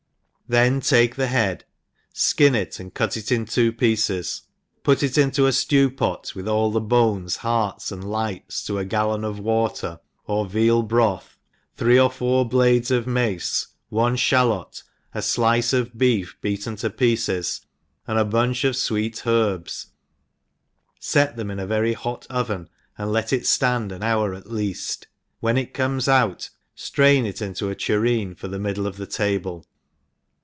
Then take the head, fkin It, and cut it in two pieces, put it into a ftew^pot with all the bones, hearts, and lights, to a gallon of water, on veal broth, three or four blades of mace, one ihalot, a dice of beef beaten to pieces, and a bunch of fweet herbs, fet them ii> a very hot oven, and let it ftand an hour at leaft, when it comes out flrain it into a tureen for the middle of the table.